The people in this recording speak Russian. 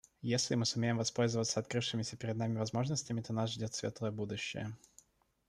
Если мы сумеем воспользоваться открывшимися перед нами возможностями, то нас ждет светлое будущее.